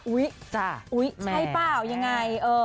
อุ๊ยใช่เปล่ายังไง